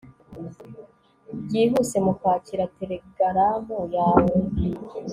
Byihuse mukwakira telegaramu yawe